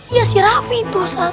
iya si raffi itu ustadz